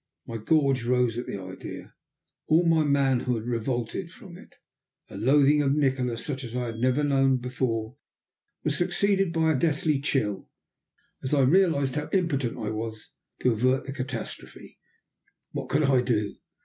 My gorge rose at the idea all my manhood revolted from it. A loathing of Nikola, such as I had never known before, was succeeded by a deathly chill, as I realized how impotent I was to avert the catastrophe. What could I do?